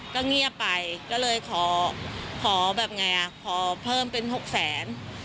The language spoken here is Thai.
ก็เงียบไปก็เลยขอขอแบบไงอ่ะขอเพิ่มเป็น๖แสน